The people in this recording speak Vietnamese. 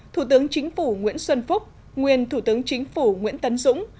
thủ tướng chính phủ nguyễn xuân phúc nguyên thủ tướng chính phủ nguyễn tấn dũng